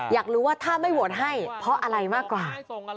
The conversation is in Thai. อยากรู้ว่าถ้าไม่โหวตให้เพราะอะไรมากกว่า